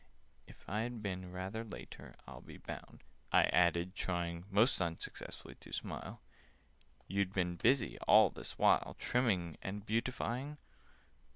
"If I'd been rather later, I'll Be bound," I added, trying (Most unsuccessfully) to smile, "You'd have been busy all this while, Trimming and beautifying?"